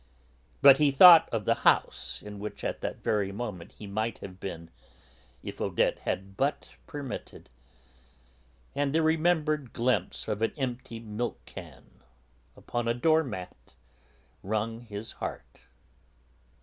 But he thought of the house in which at that very moment he might have been, if Odette had but permitted, and the remembered glimpse of an empty milk can upon a door mat wrung his heart.